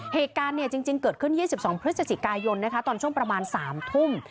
เหตุการณ์จริงเกิดขึ้น๒๒พฤศจิกายนตอนช่วงประมาณ๓ทุ่ม